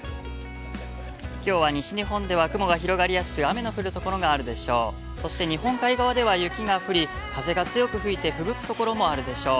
きょうは西日本では雲が広がりやすく、雨の降るところがあるでしょう。